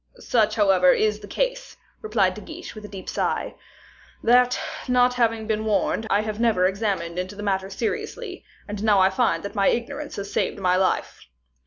"Such, however, is the case," replied De Guiche, with a deep sigh, "that, not having been warned, I have never examined into the matter seriously; and I now find that my ignorance has saved my life."